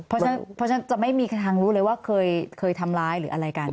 เพราะฉะนั้นจะไม่มีทางรู้เลยว่าเคยทำร้ายหรืออะไรกัน